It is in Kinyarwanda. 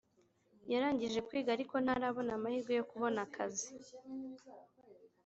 yarangije kwiga ariko ntarabona amahirwe yo kubona akazi